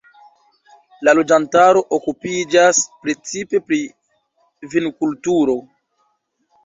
La loĝantaro okupiĝas precipe pri vinkulturo.